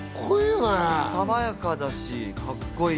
爽やかだし、カッコいい。